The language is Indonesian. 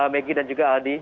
megi dan juga aldi